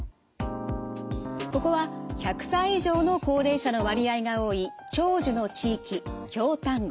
ここは１００歳以上の高齢者の割合が多い長寿の地域京丹後。